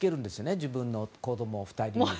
自分の子供２人を。